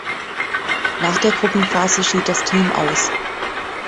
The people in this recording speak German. Nach der Gruppenphase schied das Team aus.